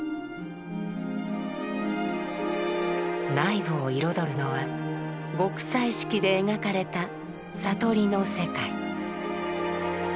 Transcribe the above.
内部を彩るのは極彩色で描かれた「悟り」の世界。